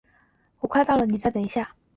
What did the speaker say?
我快到了，你再等一下。